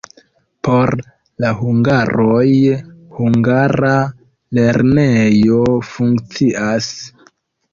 Por la hungaroj hungara lernejo funkcias.